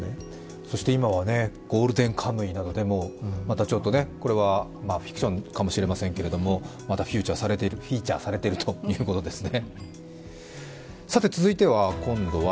そして今は「ゴールデンカムイ」などでもまたちょっと、これはフィクションかもしれませんけどフィーチャーされているということですね。